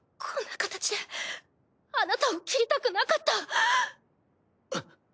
こんな形であなたを斬りたくなかった。